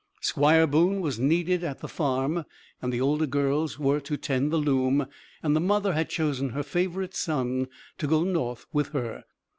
Squire Boone was needed at the farm, the older girls were to tend the loom, and the mother had chosen her favorite son to go north with her.